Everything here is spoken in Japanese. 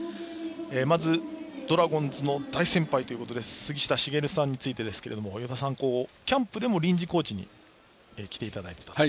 まず、ドラゴンズの大先輩ということで杉下茂さんについてですけども与田さんキャンプでも臨時コーチに来ていただいていたと。